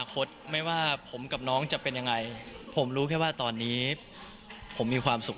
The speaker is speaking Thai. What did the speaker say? คุณพ่อห่วงลูกสาวมาก